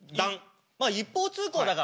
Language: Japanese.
まあ一方通行だからね。